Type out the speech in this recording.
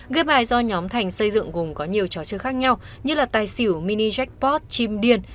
game bài do nhóm thành xây dựng cùng có nhiều trò chơi khác nhau như là tài xỉu mini jackpot chim điên